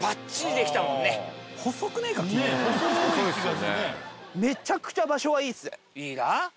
細いっすよね。